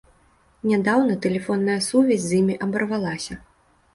Нядаўна тэлефонная сувязь з імі абарвалася.